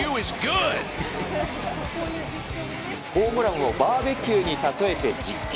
ホームランをバーベキューにたとえて実況。